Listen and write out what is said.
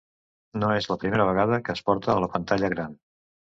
No és la primera vegada que es porta a la pantalla gran.